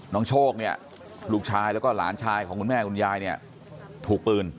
น้องโชคลูกชายและหลานชายของคุณแม่คุณยายถูกปืน